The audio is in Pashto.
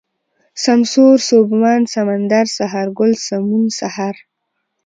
سمسور ، سوبمن ، سمندر ، سهارگل ، سمون ، سحر